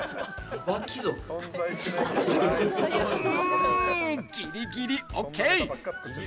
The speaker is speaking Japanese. んギリギリＯＫ！